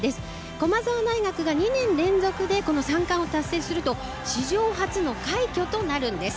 駒澤大学が２年連続でこの三冠を達成すると、史上初の快挙となるんです。